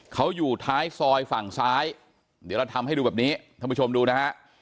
เขาอยู่ท้ายซอยฝั่งซ้ายเดี๋ยวเราทำให้ดูแบบนี้ท่านผู้ชมดูนะฮะ